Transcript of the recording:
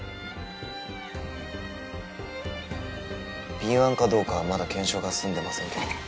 敏腕かどうかはまだ検証が済んでませんけど。